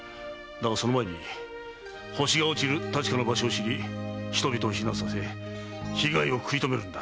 だがその前に星が落ちる確かな場所を知り人々を避難させ被害をくい止めるんだ。